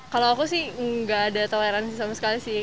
kalau aku sih nggak ada toleransi sama sekali sih